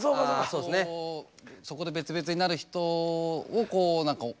そこで別々になる人をこう何か思って。